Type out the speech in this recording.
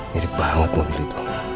mirip banget mobil itu